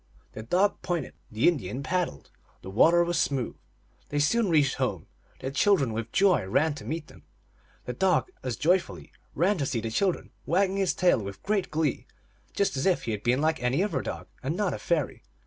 The dog pointed, the Indian paddled, the water was smooth. They soon reached home ; the children with joy ran to meet them ; the dog as joyfully ran to see the chil dren, wagging his tail with great glee, just as if he had been like any other dog, and not a fairy.